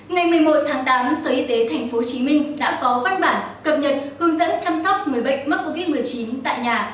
ngày một mươi một tháng tám sở y tế tp hcm đã có văn bản cập nhật hướng dẫn chăm sóc người bệnh mắc covid một mươi chín tại nhà